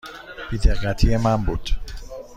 بی دقتی من بود.